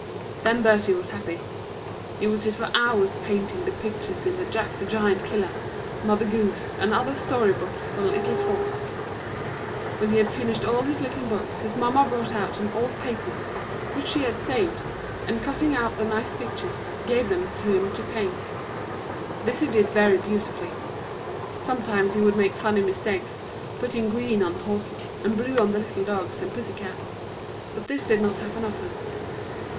Then Bertie was happy. He would sit for hours painting the pictures in Jack the Giant killer, Mother Goose, and other story books for little folks. When he had finished all his little books his mamma brought out some old papers which she had saved, and cutting out the nice pictures, gave them to him to paint. This he did very beautifully. Sometimes he would make funny mistakes, putting green on the horses, and blue on the little dogs and pussy cats, but this did not happen often.